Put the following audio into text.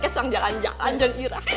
kesuang jalan jalan deng irak